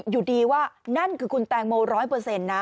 อยู่ดีว่านั่นคือคุณแตงโมร้อยเปอร์เซ็นต์นะ